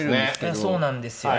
そうなんですよね。